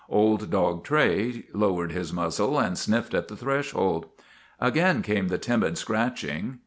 Old Dog Tray lowered his muzzle and sniffed at the threshold. Again came the timid scratching.